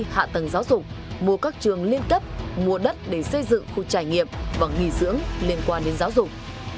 hạ tầng giáo dục mua các trường liên cấp mua đất để xây dựng khu trải nghiệm và nghỉ dưỡng liên quan đến giáo dục